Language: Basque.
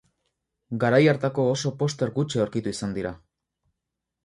Garai hartako oso poster gutxi aurkitu izan dira.